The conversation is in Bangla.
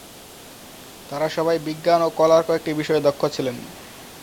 তারা সবাই বিজ্ঞান ও কলার কয়েকটি বিষয়ে দক্ষ ছিলেন।